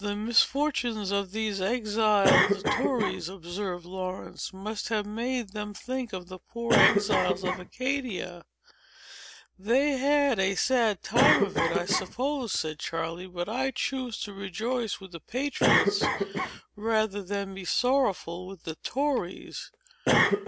"The misfortunes of these exiled tories," observed Laurence, "must have made them think of the poor exiles of Acadia." "They had a sad time of it, I suppose," said Charley. "But I choose to rejoice with the patriots, rather than be sorrowful with the tories.